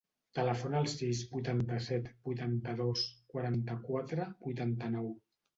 Telefona al sis, vuitanta-set, vuitanta-dos, quaranta-quatre, vuitanta-nou.